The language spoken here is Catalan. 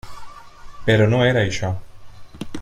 Però no era això.